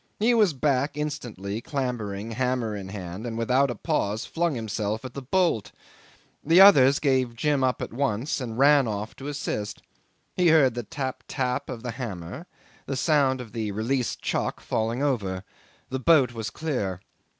He was back instantly clambering, hammer in hand, and without a pause flung himself at the bolt. The others gave up Jim at once and ran off to assist. He heard the tap, tap of the hammer, the sound of the released chock falling over. The boat was clear.